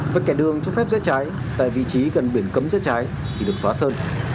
vạch kẻ đường cho phép rẽ trái tại vị trí gần biển cấm rẽ trái thì được xóa sơn